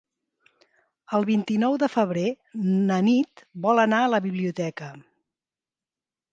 El vint-i-nou de febrer na Nit vol anar a la biblioteca.